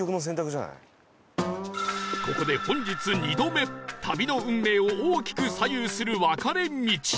ここで本日２度目旅の運命を大きく左右する分かれ道